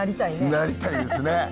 なりたいですね。